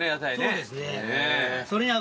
そうですね。